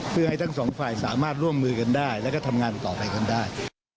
เพื่อให้ทั้งสองฝ่ายสามารถร่วมมือกันได้แล้วก็ทำงานต่อไปกันได้